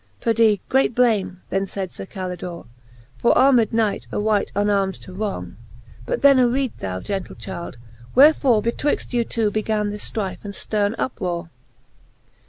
Perdie, great blame^, then faid Sir Calidore ^ For armed knight a wight unarm'd to wrong. But then aread, thou gentle chyld, wherefore BeJ:vyixt you two began this ftrife and fterne uprore, IX.